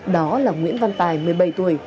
đó là nguyễn văn tài một mươi bảy tuổi